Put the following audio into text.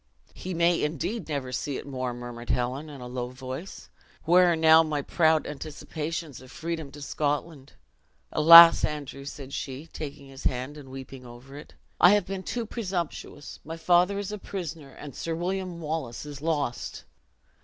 "He may indeed never see it more!" murmured Helen, in a low voice. "Where are now my proud anticipations of freedom to Scotland? Alas, Andrew," said she, taking his hand, and weeping over it. "I have been too presumptuous; my father is a prisoner, and Sir William Wallace is lost!"